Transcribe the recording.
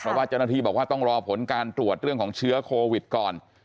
เพราะว่าเจ้าหน้าที่บอกว่าต้องรอผลการตรวจเรื่องของเชื้อโควิดก่อน